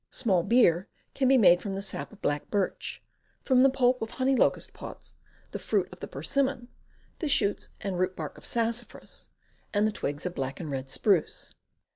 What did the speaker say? Small beer can be made from the sap of black birch, from the pulp of honey locust pods, the fruit of the persimmon, the shoots and root bark of sassafras, and the twigs of black and red spruce.